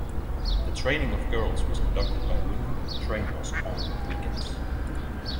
The training of girls was conducted by women trainers on weekends.